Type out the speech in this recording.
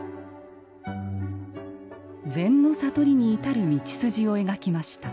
禅の悟りに至る道筋を描きました。